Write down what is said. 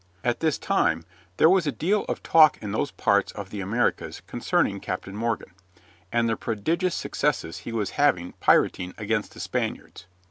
At this time there was a deal of talk in those parts of the Americas concerning Captain Morgan, and the prodigious successes he was having pirating against the Spaniards.